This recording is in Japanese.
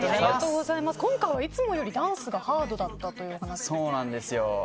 今回はいつもよりダンスがハードだったというお話ですが。